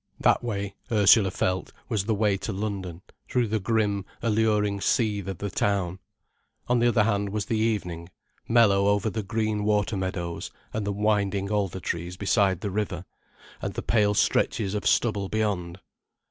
That way, Ursula felt, was the way to London, through the grim, alluring seethe of the town. On the other hand was the evening, mellow over the green water meadows and the winding alder trees beside the river, and the pale stretches of stubble beyond.